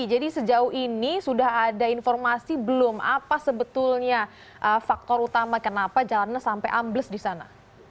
jadi sejauh ini sudah ada informasi belum apa sebetulnya faktor utama kenapa jalan raya sampai ambles di sana